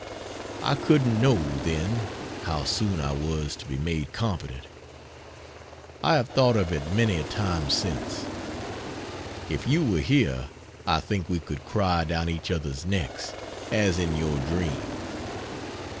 I couldn't know, then, how soon I was to be made competent. I have thought of it many a time since. If you were here I think we could cry down each other's necks, as in your dream.